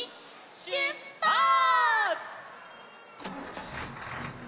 しゅっぱつ！